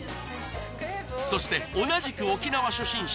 そして同じく沖縄初心者